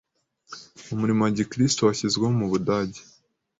umurimo wa gikristo washyizweho mubudage